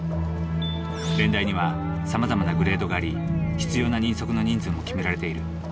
れん台にはさまざまなグレードがあり必要な人足の人数も決められている。